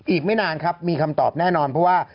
อีกไม่นานครับมีคำตอบแน่นอนเพราะว่า